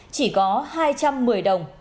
chỉ có hai trăm một mươi đồng